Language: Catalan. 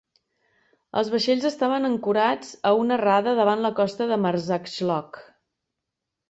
Els vaixells estaven ancorats a una rada davant la costa de Marsaxlokk.